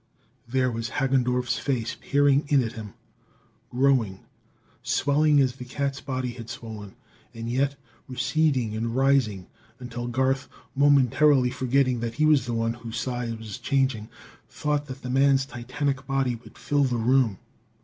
There was Hagendorff's face peering in at him growing! Swelling as the cat's body had swollen; and yet receding and rising until Garth, momentarily forgetting that he was the one whose size was changing, thought that the man's titanic body would fill the room.